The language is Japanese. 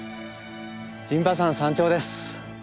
陣馬山山頂です。